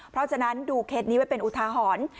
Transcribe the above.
เพราะฉะนั้นดูเคสนี้ไว้เป็นอุทาหรณ์